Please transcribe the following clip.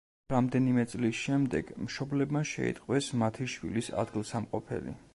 რამდენიმე წლის შემდეგ მშობლებმა შეიტყვეს მათი შვილის ადგილსამყოფელი.